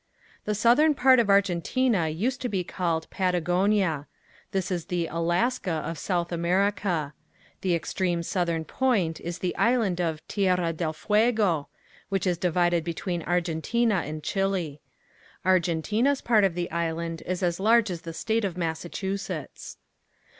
The southern part of Argentina used to be called Patagonia. This is the Alaska of South America. The extreme southern point is the island of Tierra del Fuego, which is divided between Argentina and Chile. Argentina's part of the island is as large as the state of Massachusetts.